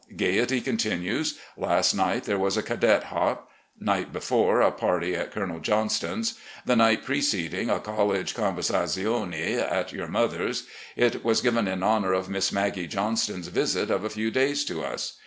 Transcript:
Gaiety continues. Last night there was a cadet hop. Night before, a party at Colonel Johnston's. The night preceding, a college conversazione at your mother's. It was given in honour of Miss Maggie Johnston's visit of a few days to us.